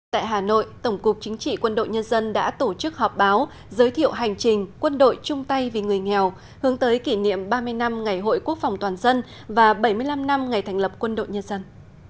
tại hà nội tổng cục chính trị quân đội nhân dân đã tổ chức họp báo giới thiệu hành trình quân đội trung tây vì người nghèo hướng tới kỷ niệm ba mươi năm ngày hội quốc phòng toàn dân và bảy mươi năm năm ngày thành lập quân đội nhân dân